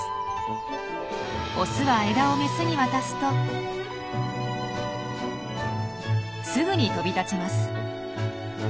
オスは枝をメスに渡すとすぐに飛び立ちます。